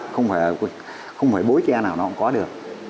không phải bối tre nào nó cũng có được